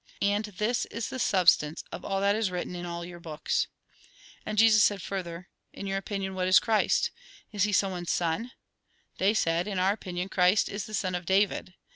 And this is the substance of all that is written in all your books." And Jesus said further :" In your opinion, what is Christ ? Is he someone's son ?" They said :" In our opinion, Christ is the son of David."